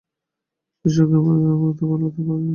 ঈশ্বরকে মাতা বলাতেও ঐ আপত্তি।